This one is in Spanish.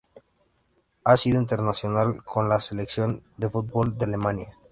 Ha sido internacional con la selección de fútbol de Alemania.